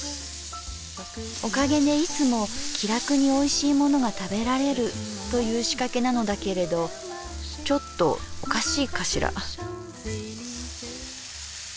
おかげでいつも気楽においしいものが食べられるという仕掛けなのだけれどちょっとおかしいかしら」。